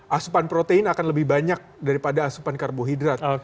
asupan protein akan lebih banyak daripada asupan karbohidrat